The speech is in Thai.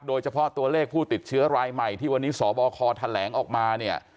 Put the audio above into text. โดยเฉพาะตัวเลขผู้ติดเชื้อรายใหม่ที่วันนี้สบคแถลงออกมาเนี่ย